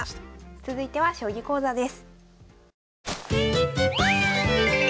続いては将棋講座です。